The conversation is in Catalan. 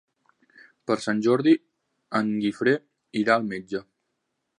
Per Sant Jordi en Guifré irà al metge.